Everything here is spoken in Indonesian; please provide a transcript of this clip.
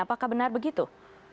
apakah benar begitu